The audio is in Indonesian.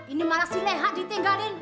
ini malah si leha ditinggalin